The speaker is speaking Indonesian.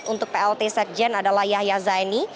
untuk plt sekjen adalah yahya zaini